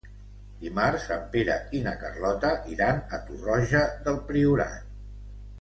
Dimarts en Pere i na Carlota iran a Torroja del Priorat.